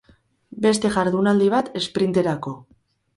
Beste jardunaldi bat esprinterako.